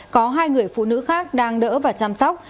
có hai người phụ nữ khác đang đỡ và chăm sóc